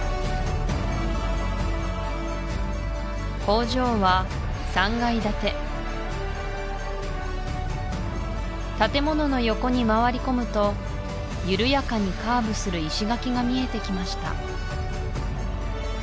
工場は３階建て建物の横に回り込むと緩やかにカーブする石垣が見えてきました